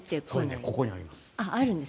ここにあります。